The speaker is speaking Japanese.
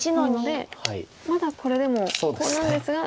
まだこれでもコウなんですが。